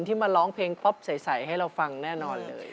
ที่มาร้องเพลงครอบใสให้เราฟังแน่นอนเลย